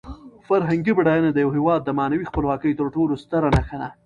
فرهنګي بډاینه د یو هېواد د معنوي خپلواکۍ تر ټولو ستره نښه ده.